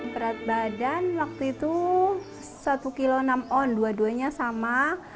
berat badan waktu itu satu kilo enam on dua duanya sama